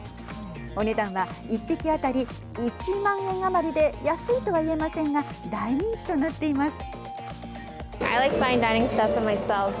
お値段は１匹当たり１万円余りで安いとは言えませんが大人気となっています。